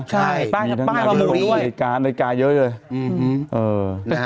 ใช่มีทั้งนาฬิกาเยอะเลย